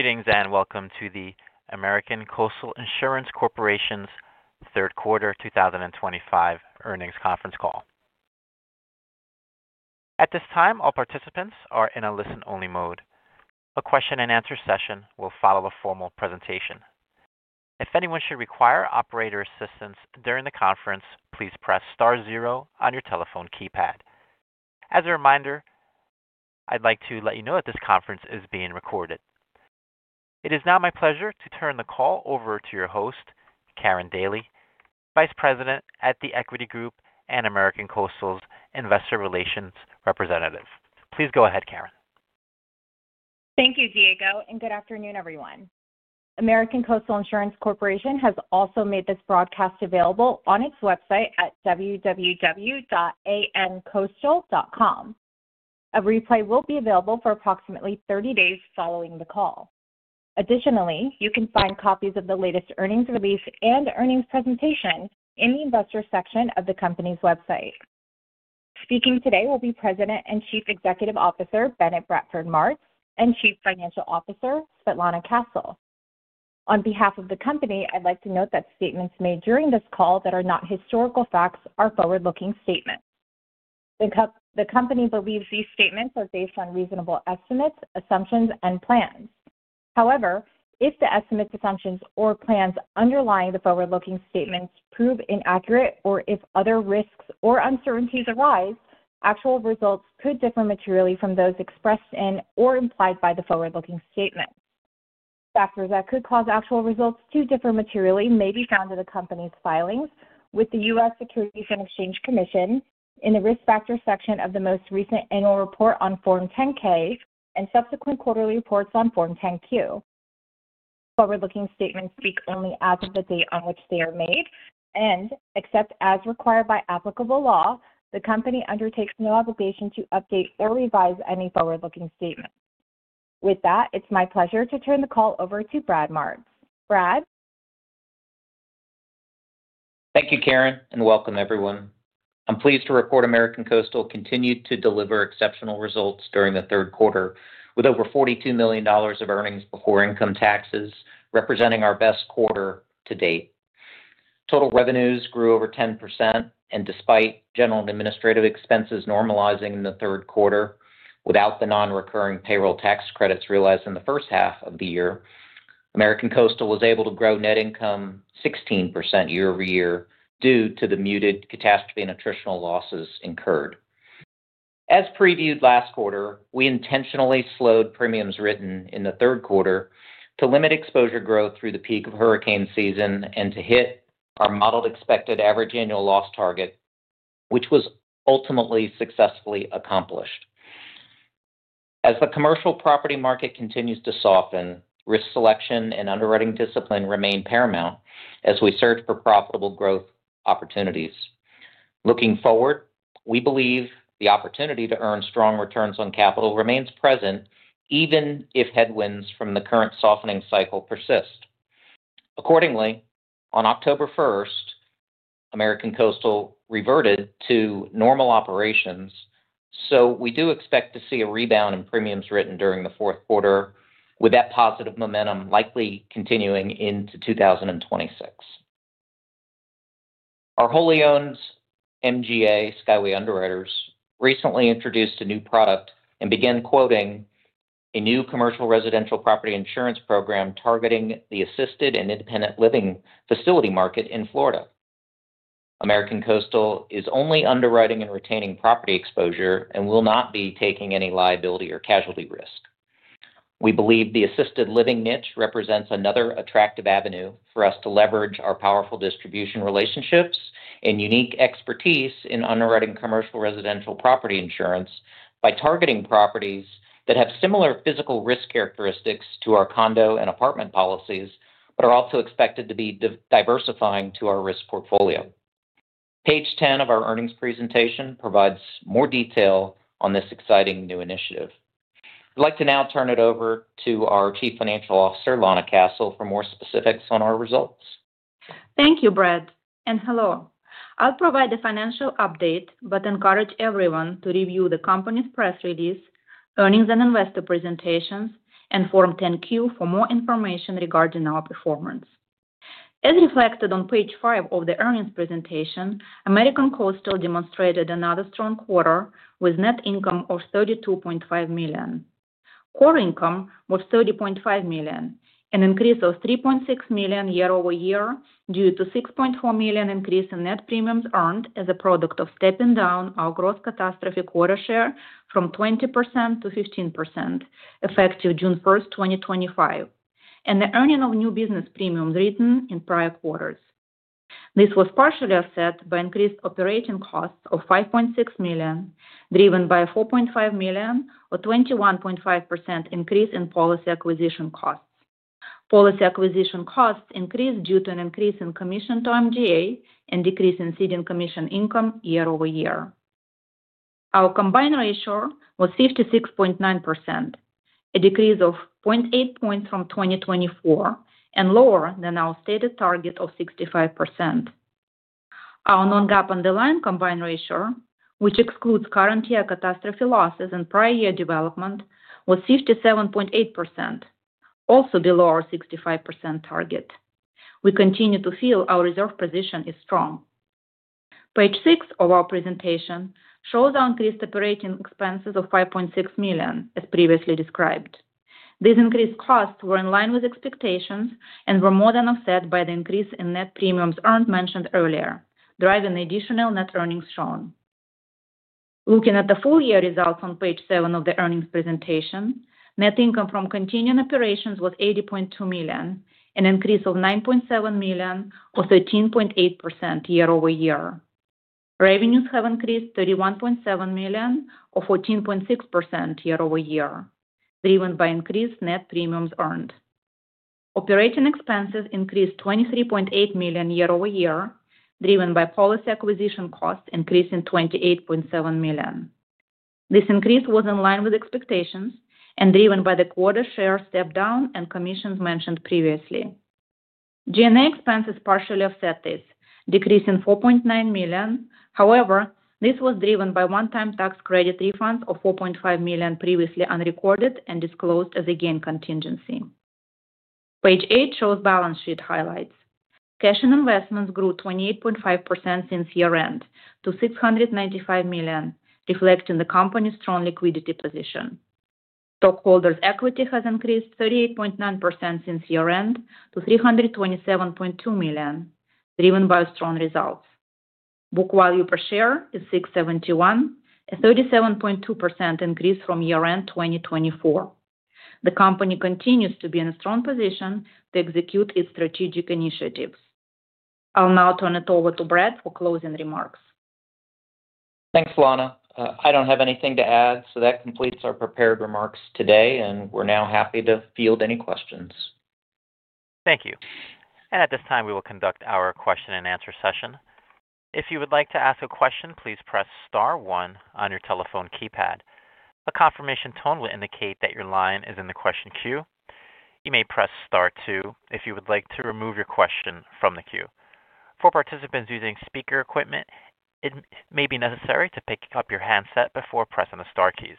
Greetings and welcome to the American Coastal Insurance Corporation's third quarter 2025 earnings conference call. At this time, all participants are in a listen-only mode. A question-and-answer session will follow a formal presentation. If anyone should require operator assistance during the conference, please press star zero on your telephone keypad. As a reminder, I'd like to let you know that this conference is being recorded. It is now my pleasure to turn the call over to your host, Karen Daly, Vice President at the Equity Group and American Coastal's Investor Relations Representative. Please go ahead, Karen. Thank you, Diego, and good afternoon, everyone. American Coastal Insurance Corporation has also made this broadcast available on its website at www.AMcoastal.com. A replay will be available for approximately 30 days following the call. Additionally, you can find copies of the latest earnings release and earnings presentation in the investor section of the company's website. Speaking today will be President and Chief Executive Officer Bennett Bradford Martz and Chief Financial Officer Svetlana Castle. On behalf of the company, I'd like to note that statements made during this call that are not historical facts are forward-looking statements. The company believes these statements are based on reasonable estimates, assumptions, and plans. However, if the estimates, assumptions, or plans underlying the forward-looking statements prove inaccurate or if other risks or uncertainties arise, actual results could differ materially from those expressed in or implied by the forward-looking statement. Factors that could cause actual results to differ materially may be found in the company's filings with the U.S. Securities and Exchange Commission in the risk factor section of the most recent annual report on Form 10-K and subsequent quarterly reports on Form 10-Q. Forward-looking statements speak only as of the date on which they are made and, except as required by applicable law, the company undertakes no obligation to update or revise any forward-looking statements. With that, it's my pleasure to turn the call over to Brad Martz. Brad. Thank you, Karen, and welcome, everyone. I'm pleased to report American Coastal continued to deliver exceptional results during the third quarter with over $42 million of earnings before income taxes, representing our best quarter to date. Total revenues grew over 10%, and despite general and administrative expenses normalizing in the third quarter without the non-recurring payroll tax credits realized in the first half of the year, American Coastal was able to grow net income 16% year-over-year due to the muted catastrophe and attritional losses incurred. As previewed last quarter, we intentionally slowed premiums written in the third quarter to limit exposure growth through the peak of hurricane season and to hit our modeled expected average annual loss target, which was ultimately successfully accomplished. As the commercial property market continues to soften, risk selection and underwriting discipline remain paramount as we search for profitable growth opportunities. Looking forward, we believe the opportunity to earn strong returns on capital remains present even if headwinds from the current softening cycle persist. Accordingly, on October 1, American Coastal reverted to normal operations, so we do expect to see a rebound in premiums written during the fourth quarter, with that positive momentum likely continuing into 2026. Our wholly-owned MGA Skyway Underwriters recently introduced a new product and began quoting a new commercial residential property insurance program targeting the assisted and independent living facility market in Florida. American Coastal is only underwriting and retaining property exposure and will not be taking any liability or casualty risk. We believe the assisted living niche represents another attractive avenue for us to leverage our powerful distribution relationships and unique expertise in underwriting commercial residential property insurance by targeting properties that have similar physical risk characteristics to our condo and apartment policies but are also expected to be diversifying to our risk portfolio. Page 10 of our earnings presentation provides more detail on this exciting new initiative. I'd like to now turn it over to our Chief Financial Officer, Lana Castle, for more specifics on our results. Thank you, Brad. Hello. I'll provide a financial update but encourage everyone to review the company's press release, earnings and investor presentations, and Form 10-Q for more information regarding our performance. As reflected on page five of the earnings presentation, American Coastal demonstrated another strong quarter with net income of $32.5 million, core income of $30.5 million, an increase of $3.6 million year-over-year due to a $6.4 million increase in net premiums earned as a product of stepping down our gross catastrophe quarter share from 20% to 15% effective June 1, 2025, and the earning of new business premiums written in prior quarters. This was partially offset by increased operating costs of $5.6 million driven by a $4.5 million or 21.5% increase in policy acquisition costs. Policy acquisition costs increased due to an increase in commission to MGA and decrease in seeding commission income year-over-year. Our combined ratio was 56.9%. A decrease of 0.8 percentage points from 2024 and lower than our stated target of 65%. Our non-GAAP underlying combined ratio, which excludes current year catastrophe losses and prior year development, was 57.8%. Also below our 65% target. We continue to feel our reserve position is strong. Page six of our presentation shows our increased operating expenses of $5.6 million, as previously described. These increased costs were in line with expectations and were more than offset by the increase in net premiums earned mentioned earlier, driving additional net earnings shown. Looking at the full year results on page seven of the earnings presentation, net income from continuing operations was $80.2 million, an increase of $9.7 million or 13.8% year-over-year. Revenues have increased $31.7 million or 14.6% year-over-year, driven by increased net premiums earned. Operating expenses increased $23.8 million year-over-year, driven by policy acquisition costs increasing $28.7 million. This increase was in line with expectations and driven by the quarter share step down and commissions mentioned previously. G&A expenses partially offset this, decreasing $4.9 million. However, this was driven by one-time tax credit refunds of $4.5 million previously unrecorded and disclosed as a gain contingency. Page eight shows balance sheet highlights. Cash and investments grew 28.5% since year-end to $695 million, reflecting the company's strong liquidity position. Stockholders' equity has increased 38.9% since year-end to $327.2 million, driven by strong results. Book value per share is $671, a 37.2% increase from year-end 2024. The company continues to be in a strong position to execute its strategic initiatives. I'll now turn it over to Brad for closing remarks. Thanks, Lana. I don't have anything to add, so that completes our prepared remarks today, and we're now happy to field any questions. Thank you. At this time, we will conduct our question-and-answer session. If you would like to ask a question, please press star one on your telephone keypad. A confirmation tone will indicate that your line is in the question queue. You may press star two if you would like to remove your question from the queue. For participants using speaker equipment, it may be necessary to pick up your handset before pressing the star keys.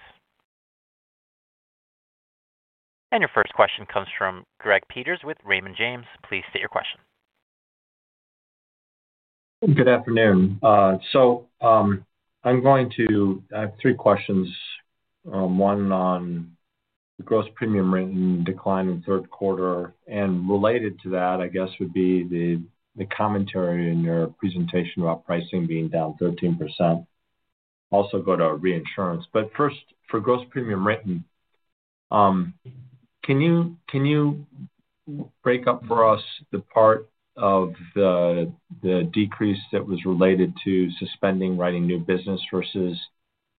Your first question comes from Greg Peters with Raymond James. Please state your question. Good afternoon. So, I'm going to—I have three questions. One on the gross premium written decline in third quarter, and related to that, I guess, would be the commentary in your presentation about pricing being down 13%. Also go to reinsurance. But first, for gross premium written, can you break up for us the part of the decrease that was related to suspending writing new business versus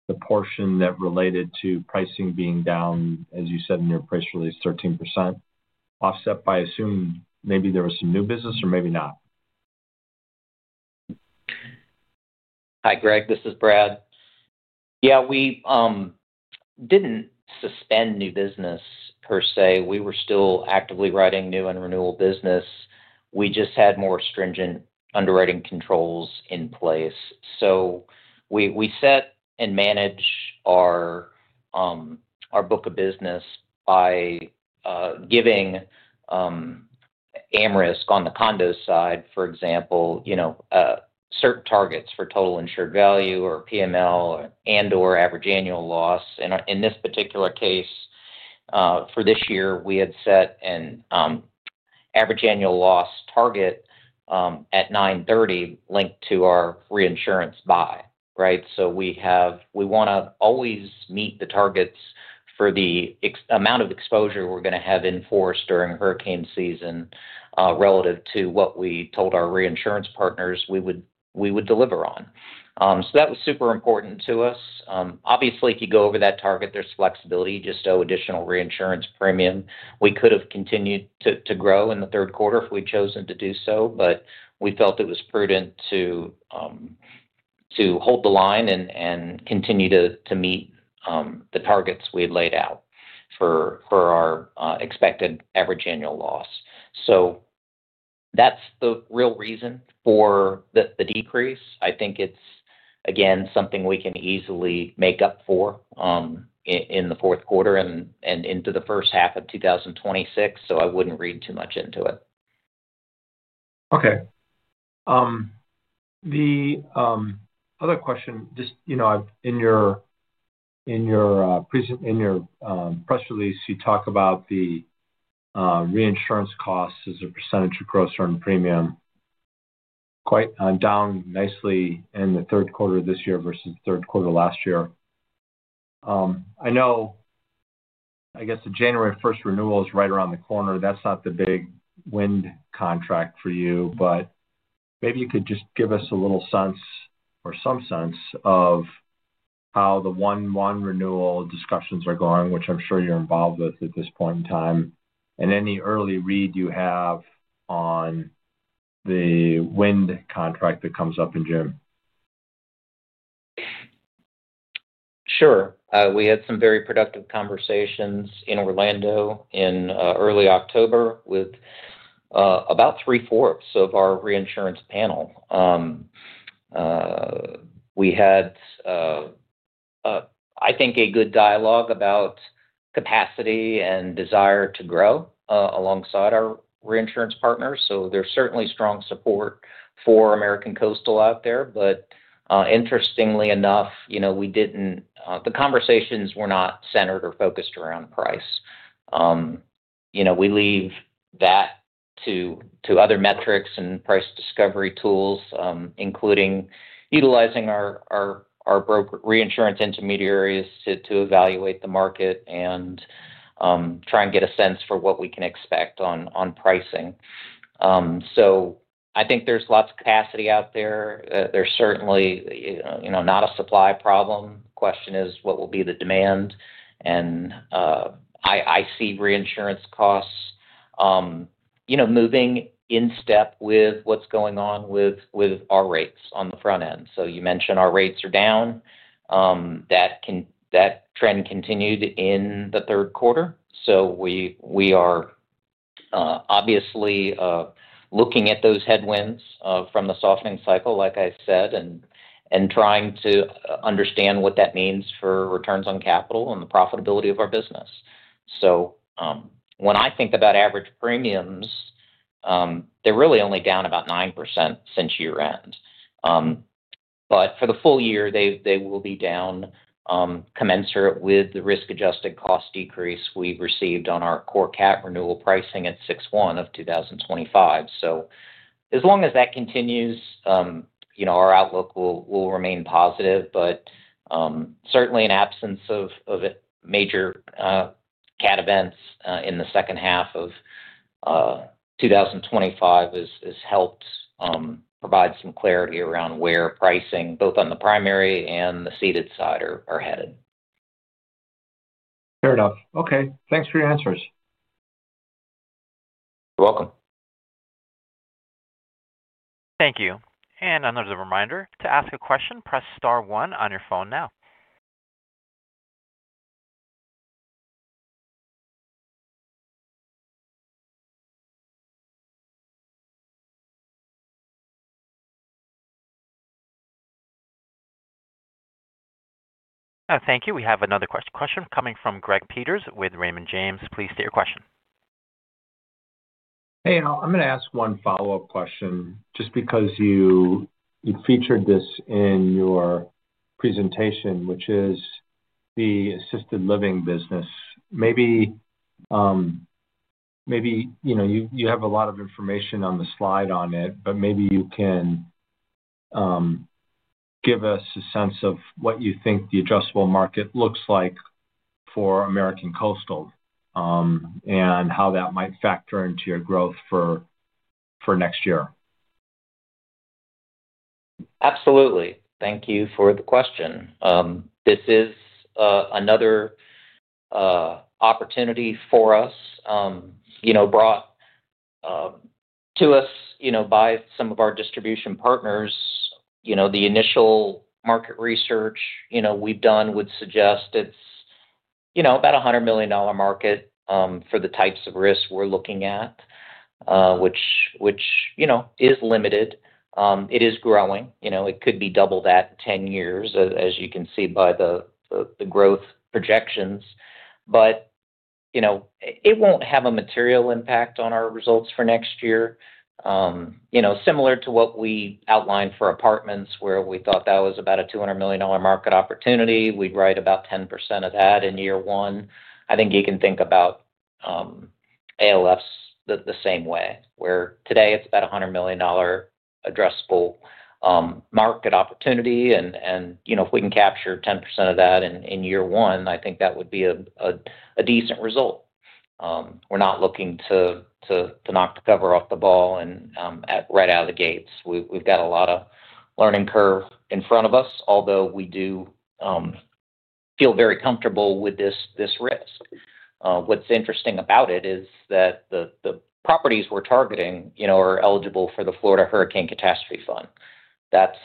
the portion that related to pricing being down, as you said in your press release, 13%, offset by assuming maybe there was some new business or maybe not? Hi, Greg. This is Brad. Yeah, we did not suspend new business per se. We were still actively writing new and renewal business. We just had more stringent underwriting controls in place. We set and manage our book of business by giving AMRIS on the condo side, for example, certain targets for total insured value or PML and/or average annual loss. In this particular case, for this year, we had set an average annual loss target at $930 linked to our reinsurance buy, right? We want to always meet the targets for the amount of exposure we are going to have in force during hurricane season relative to what we told our reinsurance partners we would deliver on. That was super important to us. Obviously, if you go over that target, there is flexibility just to additional reinsurance premium. We could have continued to grow in the third quarter if we'd chosen to do so, but we felt it was prudent to hold the line and continue to meet the targets we had laid out for our expected average annual loss. That's the real reason for the decrease. I think it's, again, something we can easily make up for in the fourth quarter and into the first half of 2026, so I wouldn't read too much into it. Okay. The other question, just in your press release, you talk about the reinsurance costs as a percentage of gross earned premium. Quite down nicely in the third quarter of this year versus the third quarter last year. I know. I guess the January 1st renewal is right around the corner. That's not the big wind contract for you, but maybe you could just give us a little sense or some sense of how the one-one renewal discussions are going, which I'm sure you're involved with at this point in time, and any early read you have on the wind contract that comes up in June. Sure. We had some very productive conversations in Orlando in early October with about three-fourths of our reinsurance panel. We had, I think, a good dialogue about capacity and desire to grow alongside our reinsurance partners. There is certainly strong support for American Coastal out there, but interestingly enough, the conversations were not centered or focused around price. We leave that to other metrics and price discovery tools, including utilizing our broker reinsurance intermediaries to evaluate the market and try and get a sense for what we can expect on pricing. I think there is lots of capacity out there. There is certainly not a supply problem. The question is, what will be the demand? I see reinsurance costs moving in step with what is going on with our rates on the front end. You mentioned our rates are down. That trend continued in the third quarter. We are obviously looking at those headwinds from the softening cycle, like I said, and trying to understand what that means for returns on capital and the profitability of our business. When I think about average premiums, they're really only down about 9% since year-end. For the full year, they will be down commensurate with the risk-adjusted cost decrease we received on our core cap renewal pricing at June 1 of 2025. As long as that continues, our outlook will remain positive. Certainly, in absence of major cat events in the second half of 2025, that has helped provide some clarity around where pricing, both on the primary and the ceded side, are headed. Fair enough. Okay. Thanks for your answers. You're welcome. Thank you. Another reminder, to ask a question, press star one on your phone now. Thank you. We have another question coming from Greg Peters with Raymond James. Please state your question. Hey, I'm going to ask one follow-up question just because you featured this in your presentation, which is the assisted living business. Maybe you have a lot of information on the slide on it, but maybe you can give us a sense of what you think the adjustable market looks like for American Coastal and how that might factor into your growth for next year. Absolutely. Thank you for the question. This is another opportunity for us, brought to us by some of our distribution partners. The initial market research we've done would suggest it's about a $100 million market for the types of risk we're looking at, which is limited. It is growing. It could be double that in 10 years, as you can see by the growth projections. It will not have a material impact on our results for next year. Similar to what we outlined for apartments, where we thought that was about a $200 million market opportunity, we'd write about 10% of that in year one. I think you can think about ALFs the same way, where today it's about a $100 million addressable market opportunity. If we can capture 10% of that in year one, I think that would be a decent result. We're not looking to. Knock the cover off the ball right out of the gates. We've got a lot of learning curve in front of us, although we do feel very comfortable with this risk. What's interesting about it is that the properties we're targeting are eligible for the Florida Hurricane Catastrophe Fund. That's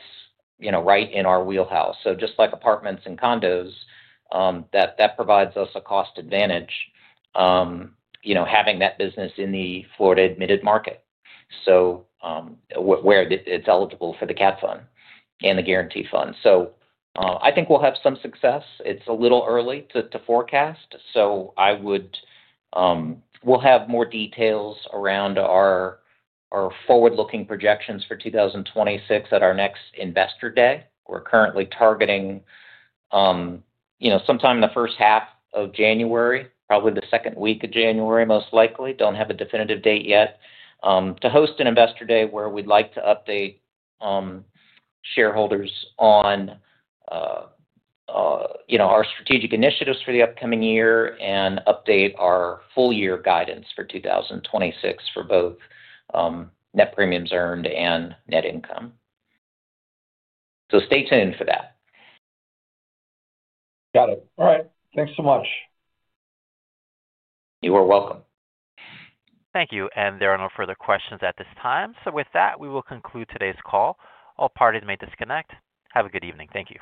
right in our wheelhouse. Just like apartments and condos, that provides us a cost advantage having that business in the Florida admitted market. Where it's eligible for the CAT fund and the guarantee fund, I think we'll have some success. It's a little early to forecast. We'll have more details around our forward-looking projections for 2026 at our next investor day. We're currently targeting sometime in the first half of January, probably the second week of January, most likely. Don't have a definitive date yet to host an investor day where we'd like to update. Shareholders on our strategic initiatives for the upcoming year and update our full-year guidance for 2026 for both net premiums earned and net income. Stay tuned for that. Got it. All right. Thanks so much. You are welcome. Thank you. There are no further questions at this time. With that, we will conclude today's call. All parties may disconnect. Have a good evening. Thank you.